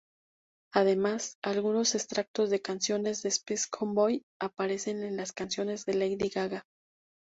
Además, algunos extractos de canciones de Space Cowboy aparecen en canciones de Lady Gaga.